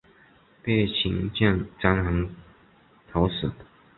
被秦将章邯讨死。